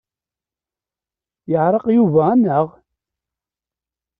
Yeɛreq Yuba anaɣ?